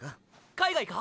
海外か？